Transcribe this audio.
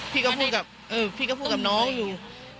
พี่ก็พูดทำน้องอยู่